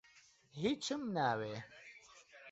هیچم ناوێ.